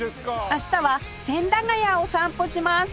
明日は千駄ヶ谷を散歩します